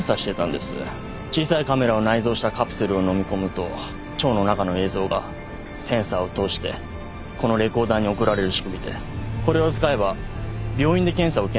小さいカメラを内蔵したカプセルをのみ込むと腸の中の映像がセンサーを通してこのレコーダーに送られる仕組みでこれを使えば病院で検査を受けなくても済むんです。